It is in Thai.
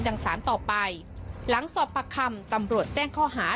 สารต่อไปหลังสอบปากคำตำรวจแจ้งข้อหา